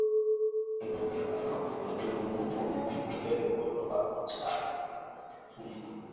Kuingiliana kwa karibu kwa mbwa mwitu hupelekea ugonjwa wa kichaa cha mbwa